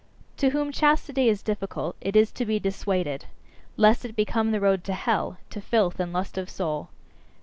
To whom chastity is difficult, it is to be dissuaded: lest it become the road to hell to filth and lust of soul.